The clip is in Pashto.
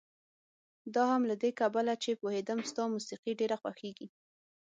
دا هم له دې کبله چې پوهېدم ستا موسيقي ډېره خوښېږي.